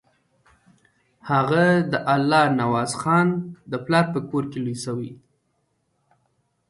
هغه د الله نوازخان د پلار په کور کې لوی شوی.